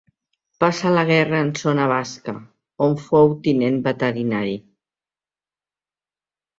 Passa la guerra en zona basca, on fou tinent veterinari.